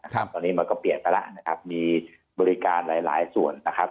ตอนนี้มันก็เปลี่ยนไปแล้วนะครับมีบริการหลายส่วนนะครับ